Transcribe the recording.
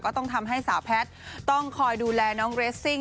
ก็ต้องทำให้สาวแพทย์ต้องคอยดูแลน้องเรสซิ่ง